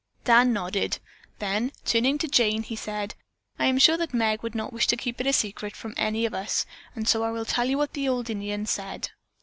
Dan nodded. Then turning to Jane, he said: "I am sure that Meg would not wish it kept a secret from any of us and so I will tell you what the old Indian said.